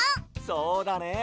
そうだね